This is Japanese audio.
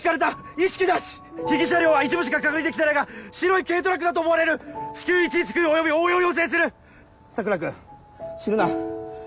意識な被疑車両は一部しか確認できてないが白い軽トラックだと思われる至急１１９および応援を要請する桜君死ぬな死ぬなよ